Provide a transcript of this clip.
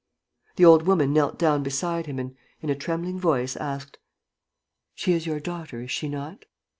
The old woman knelt down beside him and, in a trembling voice, asked: "She is your daughter, is she not?"